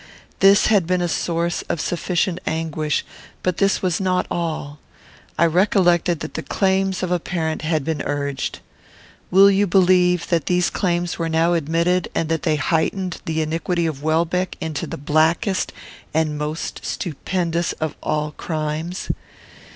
This had been a source of sufficient anguish; but this was not all. I recollected that the claims of a parent had been urged. Will you believe that these claims were now admitted, and that they heightened the iniquity of Welbeck into the blackest and most stupendous of all crimes?